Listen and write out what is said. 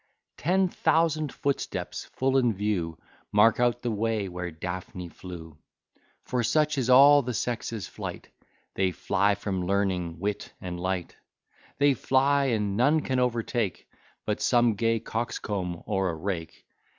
Ten thousand footsteps, full in view, Mark out the way where Daphne flew; For such is all the sex's flight, They fly from learning, wit, and light; They fly, and none can overtake But some gay coxcomb, or a rake.